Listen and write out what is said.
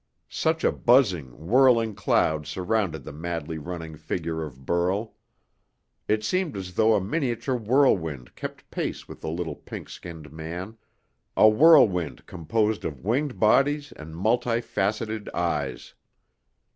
Such a buzzing, whirling cloud surrounded the madly running figure of Burl. It seemed as though a miniature whirlwind kept pace with the little pink skinned man, a whirlwind composed of winged bodies and multi faceted eyes.